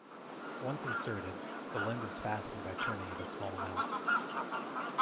Once inserted the lens is fastened by turning it a small amount.